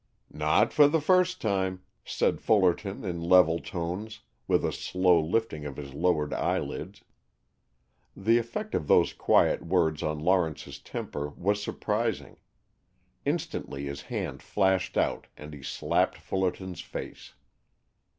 "Not for the first time," said Fullerton in level tones, with a slow lifting of his lowered eyelids. The effect of those quiet words on Lawrence's temper was surprising. Instantly his hand flashed out and he slapped Fullerton's face.